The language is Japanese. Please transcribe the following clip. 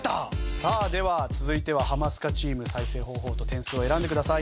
では続いてはハマスカチーム再生方法と点数を選んでください。